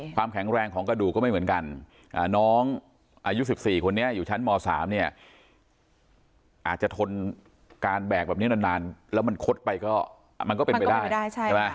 ความแข็งแรงของกระดูกก็ไม่เหมือนกันน้องอายุ๑๔คนนี้อยู่ชั้นม๓เนี่ยอาจจะทนการแบกแบบนี้นานแล้วมันคดไปก็มันก็เป็นไปได้ใช่ไหม